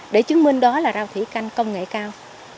để chứng minh đó là rau thủy canh công nghệ cao